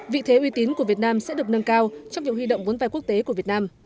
vị thế uy tín của việt nam sẽ được nâng cao trong việc huy động vốn vai quốc tế của việt nam